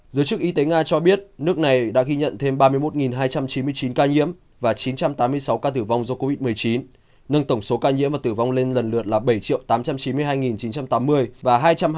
giới chức y tế nga cho biết nước này đã ghi nhận thêm ba mươi một hai trăm chín mươi chín ca nhiễm và chín trăm tám mươi sáu ca tử vong do covid một mươi chín nâng tổng số ca nhiễm và tử vong lên lần lượt là bảy tám trăm chín mươi hai chín trăm tám mươi và hai trăm hai mươi ca